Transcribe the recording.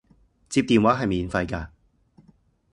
接電話係免費㗎